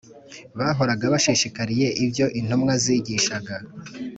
Bahoraga bashishikariye ibyo intumwa zigishaga